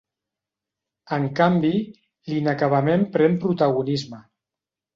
En canvi, l'inacabament pren protagonisme.